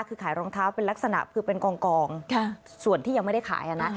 คือขายรองเท้าเป็นลักษณะคือเป็นกองส่วนที่ยังไม่ได้ขายนะ